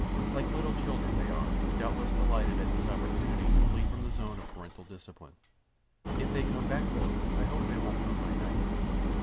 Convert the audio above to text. Like little children they are doubtless delighted at this opportunity to flee from the zone of parental discipline. If they come back, though, I hope they won't come by night."